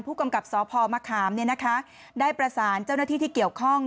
ผู้กำกับสพมะขามได้ประสานเจ้าหน้าที่ที่เกี่ยวข้อง